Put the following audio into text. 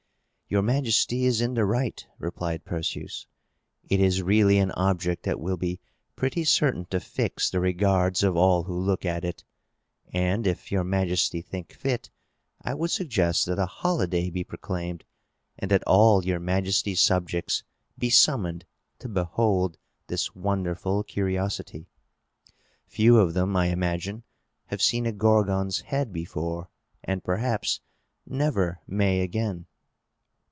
"Your Majesty is in the right," replied Perseus. "It is really an object that will be pretty certain to fix the regards of all who look at it. And, if Your Majesty think fit, I would suggest that a holiday be proclaimed, and that all Your Majesty's subjects be summoned to behold this wonderful curiosity. Few of them, I imagine, have seen a Gorgon's head before, and perhaps never may again!"